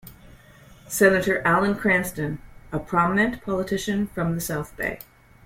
Senator Alan Cranston, a prominent politician from the South Bay.